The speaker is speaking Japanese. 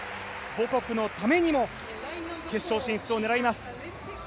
母国のためにも、決勝進出を狙います。